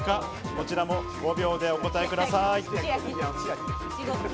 こちらも５秒でお答えください。